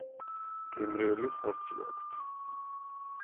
გემრიელი ხორცი აქვთ.